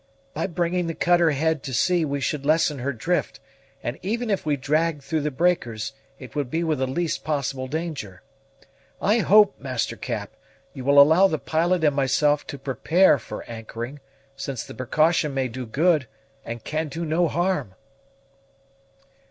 "By bringing the cutter head to sea we should lessen her drift; and even if we dragged through the breakers, it would be with the least possible danger. I hope, Master Cap, you will allow the pilot and myself to prepare for anchoring, since the precaution may do good, and can do no harm."